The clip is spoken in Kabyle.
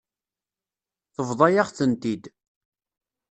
Tebḍa-yaɣ-tent-id.